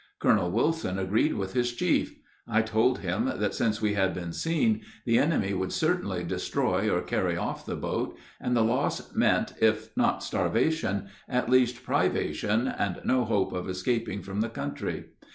Colonel Wilson agreed with his chief. I told him that since we had been seen, the enemy would certainly destroy or carry off the boat, and the loss meant, if not starvation, at least privation, and no hope of escaping from the country.